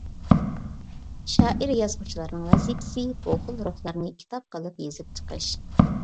شائىر-يازغۇچىلارنىڭ ۋەزىپىسى بۇ خىل روھلارنى كىتاب قىلىپ يېزىپ چىقىش.